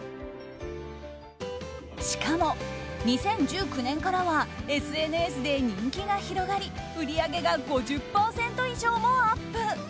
しかも２０１９年からはＳＮＳで人気が広がり売り上げが５０％以上もアップ。